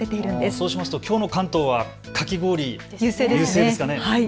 そうしますときょうの関東はかき氷優勢ですかね。